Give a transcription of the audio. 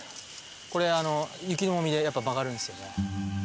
これ雪の重みでやっぱ曲がるんですよね。